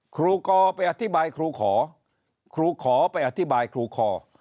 ครูกอไปอธิบายครูขอครูขอไปอธิบายครูคอ